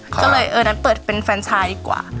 ก็เลยเออนั้นเปิดเป็นแฟนชายดีกว่า